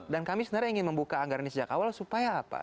dan kami sebenarnya ingin membuka anggaran ini sejak awal supaya apa